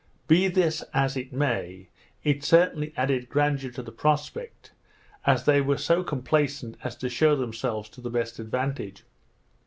Be this as it may, it certainly added grandeur to the prospect, as they were so complaisant as to shew themselves to the best advantage.